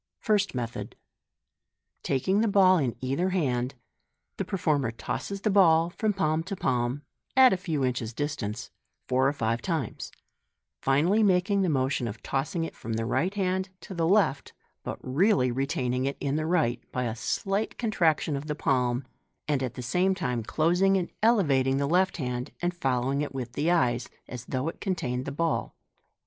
First Method. — Taking the ball in either hand, the performer tosses the ball from palm to palm (at a few inches distance) four or five times, finally making the motion of tossing it from the right hand to the left, but really retaining it in the right by a slight contraction of the palm, and at the same time closing and elevating the left hand, and following it with the eyes, as though it contained the ball.